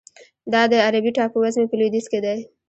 دا د عربي ټاپوزمې په لویدیځ کې دی.